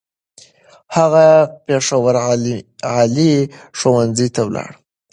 هغه پېښور عالي ښوونځی ته ولاړ.